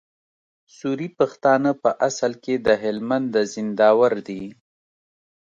سوري پښتانه په اصل کي د هلمند د زينداور دي